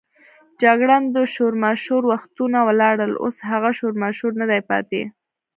جګړن: د شورماشور وختونه ولاړل، اوس هغه شورماشور نه دی پاتې.